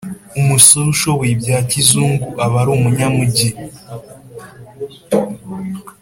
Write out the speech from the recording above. Umusore ushoboye ibya kizungu abari umuyamujyi